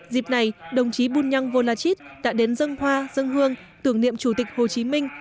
dịp này đồng chí bunyang volachit đã đến dân hoa dân hương tưởng niệm chủ tịch hồ chí minh